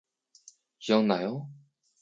기억나요?